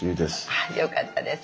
あっよかったです。